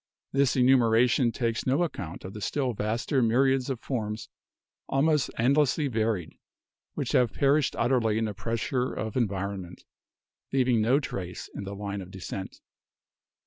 This enumeration takes no ac count of the still vaster myriads of forms almost endlessly varied, which have perished utterly in the pressure of environment, leaving no trace in the line o fdescent.